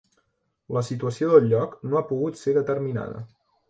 La situació del lloc no ha pogut ser determinada.